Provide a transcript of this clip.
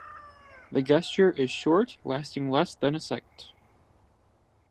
The gesture is short, lasting less than a second.